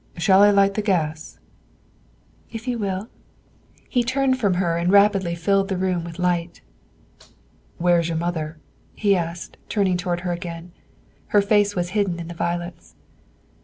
Shall I light the gas?" "If you will." He turned from her and rapidly filled the room with light. "Where is your mother?" he asked, turning toward her again. Her face was hidden in the violets.